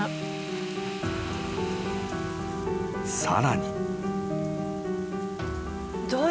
［さらに］